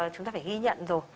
chúng ta phải ghi nhận rồi